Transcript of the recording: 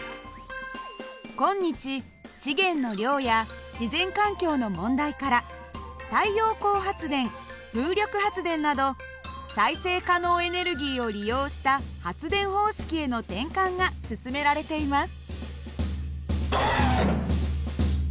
今日資源の量や自然環境の問題から太陽光発電風力発電など再生可能エネルギーを利用した発電方式への転換が進められています。